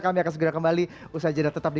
kami akan segera kembali usaha jeda tetap di